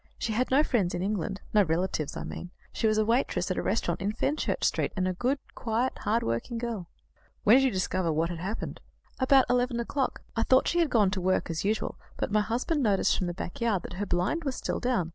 She had no friends in England no relatives, I mean. She was a waitress at a restaurant in Fenchurch Street, and a good, quiet, hard working girl." "When did you discover what had happened?" "About eleven o'clock. I thought she had gone to work as usual, but my husband noticed from the back yard that her blind was still down.